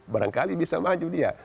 barangkali bisa maju dia